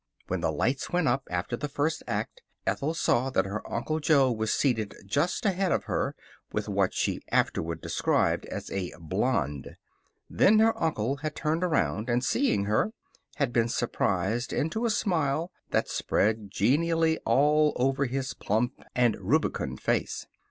When the lights went up after the first act Ethel saw that her uncle Jo was seated just ahead of her with what she afterward described as a blonde. Then her uncle had turned around, and seeing her, had been surprised into a smile that spread genially all over his plump and rubicund face.